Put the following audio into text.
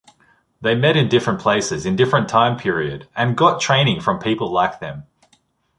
They met in different places in different time period and got training from people like them.